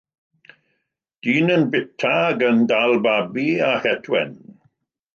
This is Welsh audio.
Dyn yn bwyta ac yn dal babi â het wen.